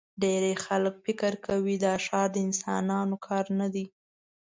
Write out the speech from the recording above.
ډېری خلک فکر کوي دا ښار د انسانانو کار نه دی.